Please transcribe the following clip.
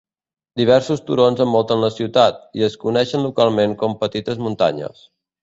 Diversos turons envolten la ciutat, i es coneixen localment com "petites muntanyes".